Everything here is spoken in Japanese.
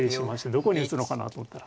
どこに打つのかなと思ったら。